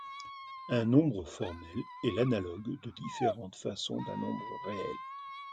Un nombre formel est l'analogue de différentes façons d'un nombre réel.